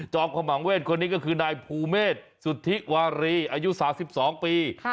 จอบพระมังเวทย์คนนี้ก็คือนายภูเมฆสุธิวารีอายุ๓๒ปี